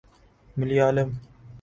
Malayalam